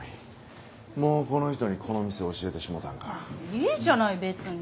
いいじゃない別に。